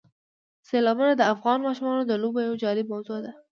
سیلابونه د افغان ماشومانو د لوبو یوه جالبه موضوع ده.